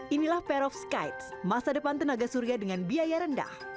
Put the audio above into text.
inilah pair of skytes masa depan tenaga surya dengan biaya rendah